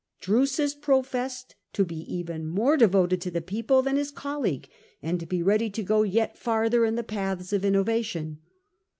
Drusus pro fessed to be even more devoted to the people than his colleague, and to be ready to go yet farther in the paths of innovation.